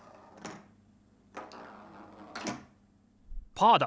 パーだ！